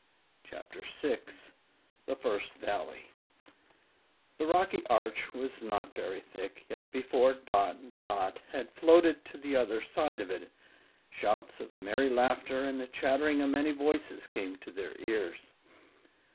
CHAPTER 6 THE FIRST VALLEY The rocky arch was not very thick, yet before Dot and Tot had floated to the other side of it, shouts of merry laughter and the chattering of many voices came to their ears.